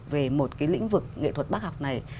về một cái lĩnh vực nghệ thuật bác học này